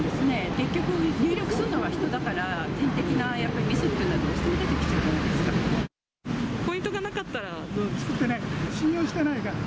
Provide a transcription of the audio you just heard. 結局、入力するのは人だから、人的なやっぱりミスっていうのはどうしても出てきちゃうじゃないポイントがなかったら、作ってない、信用していないから。